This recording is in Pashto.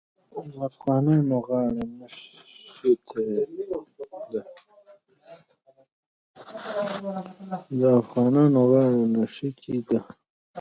د افغانانو غاړه نښتې ده.